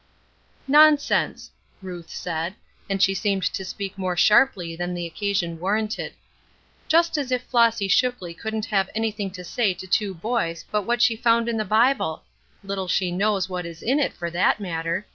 "Nonsense!" Ruth said, and she seemed to speak more sharply than the occasion warranted. "Just as if Flossy Shipley couldn't have anything to say to two boys but what she found in the Bible! Little she knows what is in it, for that matter.